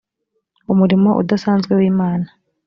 umurimo udasanzwe w imana